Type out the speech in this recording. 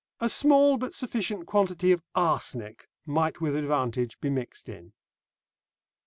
A small but sufficient quantity of arsenic might with advantage be mixed in.